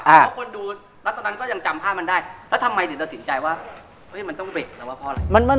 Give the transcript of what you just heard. เพราะคนดูแล้วตอนนั้นก็ยังจำภาพมันได้แล้วทำไมถึงตัดสินใจว่ามันต้องเบรกแล้วว่าเพราะอะไร